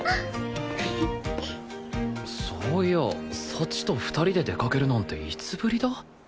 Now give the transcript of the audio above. そういや幸と２人で出かけるなんていつぶりだ？